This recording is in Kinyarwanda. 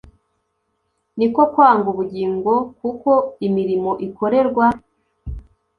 Ni ko kwanga ubugingo kuko imirimo ikorerwa